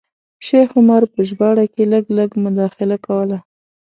شیخ عمر په ژباړه کې لږ لږ مداخله کوله.